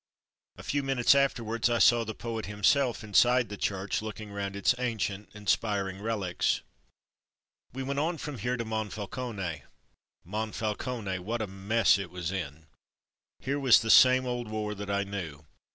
A few minutes afterwards I saw the poet himself inside the church, looking round its ancient, inspiring relics. We went on from here to Monfalcone. Monfalcone — ^what a mess it was in! Here was the same old war that I knew.